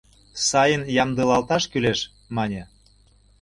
— Сайын ямдылалташ кӱлеш, — мане.